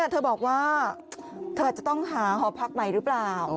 เธอบอกว่าเธอจะต้องหาหอพักใหม่หรือเปล่า